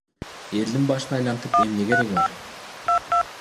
Элдин башын айлантып эмне кереги бар?